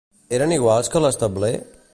Eren iguals que l'establer?